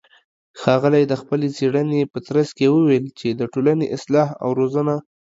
ښاغلى د خپلې څېړنې په ترڅ کې وويل چې د ټولنې اصلاح او روزنه